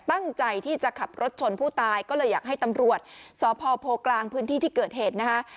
ตั้งใจที่จะขับรถชนผู้ตายก็เลยอยากให้ตำรวจสพโพกลางพื้นที่ที่เกิดเหตุนะคะ